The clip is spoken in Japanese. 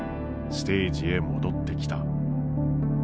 ステージへ戻ってきた。